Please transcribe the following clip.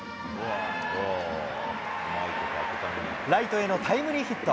ライトへのタイムリーヒット。